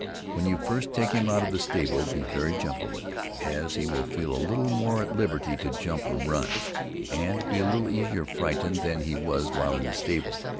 When you first take him out of the stable be very gentle with him, as he will feel a little more at liberty to jump or run, and be a little easier frightened than he was while in the stable.